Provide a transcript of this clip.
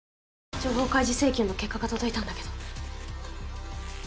情報開示請求の結果が届いたんだけど。